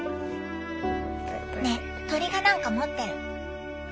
ねぇ鳥がなんか持ってる。